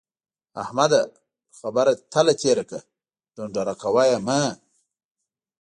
احمده! پر خبره تله تېره کړه ـ ډنډوره کوه يې مه.